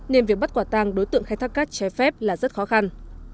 nên việc bắt quả tàng đối tượng khai thác cát trái phép là rất khó khăn